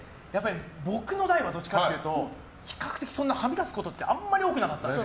僕の代は、どっちかというと比較的そんなにはみ出すことはあんまり多くなかったんです。